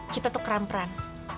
kita tuh keran peran